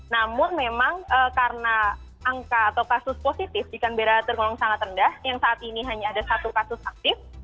namun memang karena angka atau kasus positif di canberra tergolong sangat rendah yang saat ini hanya ada satu kasus aktif